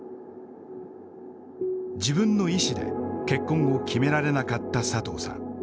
自分の意思で結婚を決められなかった佐藤さん。